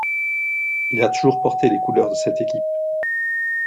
Il a toujours porté les couleurs de cette équipe.